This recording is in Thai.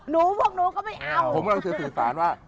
หนูพวกหนูก็ไม่เอา